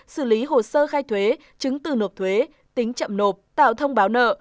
xử lý hồ sơ khai thuế chứng từ nộp thuế tính chậm nộp tạo thông báo nợ